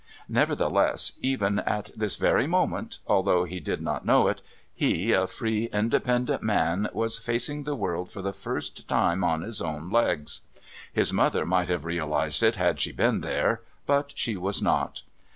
Nevertheless, even at this very moment, although he did not know it, he, a free, independent man, was facing the world for the first time on his own legs. His mother might have realised it had she been there but she was not.